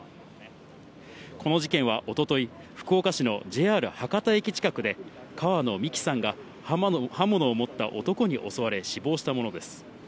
この事件は、おととい、福岡市のＪＲ博多駅近くで、川野美樹さんが刃物を持った男に襲われ、死亡したものです。